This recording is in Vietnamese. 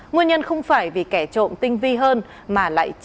nguyên nhân không phải vì kẻ trộm tinh vi hơn mà lại triệt định